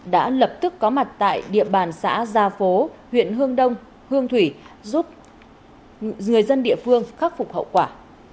đã lập tức có mặt tại địa bàn xã gia phố huyện hương đông hương thủy giúp người dân địa phương khắc phục hậu quả